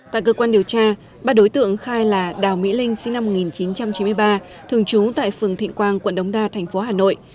tại cơ quan điều tra ba đối tượng khai là đào mỹ linh sinh năm một nghìn chín trăm chín mươi ba thường trú tại phường thịnh quang quận đống đa thành phố hà nội